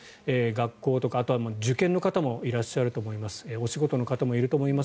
学校とか、あとは受験の方もいらっしゃると思います。